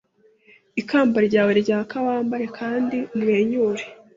Ikamba ryawe ryaka Wambare kandi umwenyure